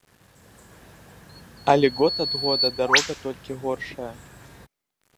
Але год ад года дарога толькі горшае.